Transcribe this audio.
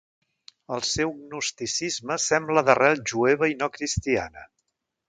El seu gnosticisme sembla d'arrel jueva i no cristiana.